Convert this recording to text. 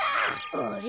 あれ？